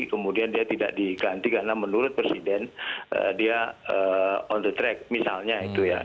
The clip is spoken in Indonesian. kemudian dia tidak diganti karena menurut presiden dia on the track misalnya itu ya